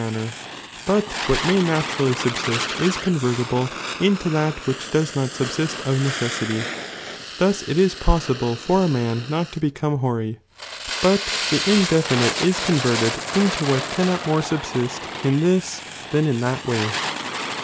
anner, hut what may naturally subsiat is convertible into that which does not BBbsist of necessity ; thus it is possible for a man not to be come boary, but the indefiiiite b converted into what cannot more subsist in this than in that way.